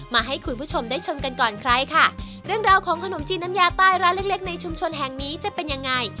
มาให้คุณผู้ชมได้ชมกันก่อนใครค่ะเรื่องราวของขนมจีนน้ำยาใต้ร้านเล็กเล็กในชุมชนแห่งนี้จะเป็นยังไง